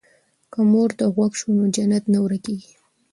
که مور ته غوږ شو نو جنت نه ورکيږي.